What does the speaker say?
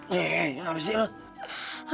lo kepingsan lagi sih ra